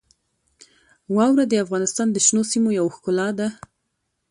واوره د افغانستان د شنو سیمو یوه ښکلا ده.